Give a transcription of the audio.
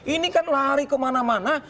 ini kan lari kemana mana